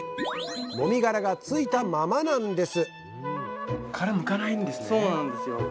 もみ殻が付いたままなんです